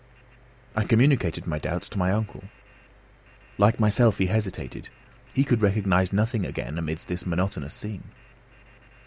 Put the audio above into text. I communicated my doubts to my uncle. Like myself, he hesitated; he could recognise nothing again amidst this monotonous scene.